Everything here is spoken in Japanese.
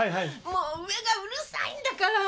もう上がうるさいんだから！